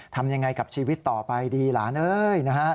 ทำยังไงกับชีวิตต่อไปดีหลานเอ้ยนะฮะ